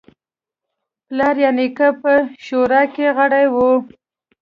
پلار یا نیکه په شورا کې غړی و.